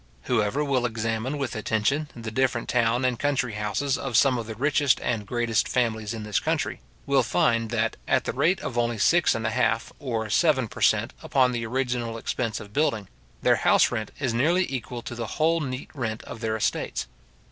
Whoever will examine with attention the different town and country houses of some of the richest and greatest families in this country, will find that, at the rate of only six and a half, or seven per cent. upon the original expense of building, their house rent is nearly equal to the whole neat rent of their estates.